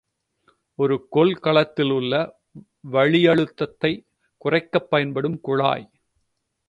ஒரு கொள்கலத்திலுள்ள வளியழுத்தத்தை குறைக்கப் பயன்படும் குழாய்.